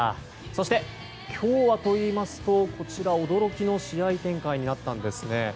そして、今日はといいますとこちら驚きの試合展開になったんです。